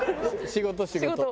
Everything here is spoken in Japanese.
仕事お仕事。